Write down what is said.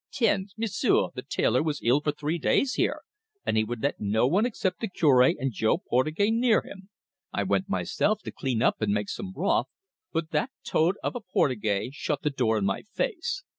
"Tiens! M'sieu', the tailor was ill for three days here, and he would let no one except the Cure and Jo Portugais near him. I went myself to clean up and make some broth, but that toad of a Portugais shut the door in my face.